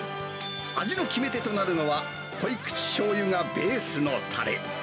味の決め手となるのは、濃い口しょうゆがベースのたれ。